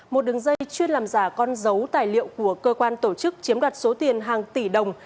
một đường dây chuyên làm giả con dấu tài liệu của cơ quan tổ chức chiếm đoạt số tiền hàng tỷ đồng